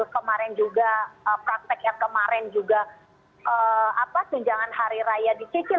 kemarin juga praktek yang kemarin juga tunjangan hari raya dicicil